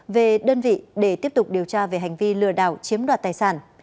về đơn vị để tiếp tục điều tra về hành vi lừa đảo chiếm đoạt tài sản